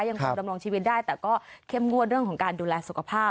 ยังคงดำรงชีวิตได้แต่ก็เข้มงวดเรื่องของการดูแลสุขภาพ